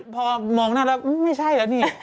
พอมองหน้าครับไม่ใช่แล้วนี่